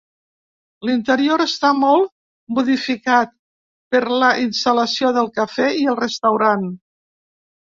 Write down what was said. L'interior està molt modificat, per la instal·lació del Cafè i el Restaurant.